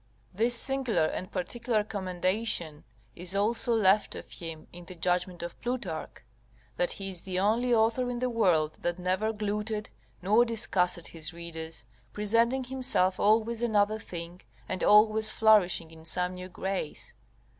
This singular and particular commendation is also left of him in the judgment of Plutarch, that he is the only author in the world that never glutted nor disgusted his readers, presenting himself always another thing, and always flourishing in some new grace.